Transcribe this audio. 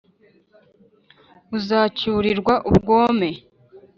uzacyurirwa ubwome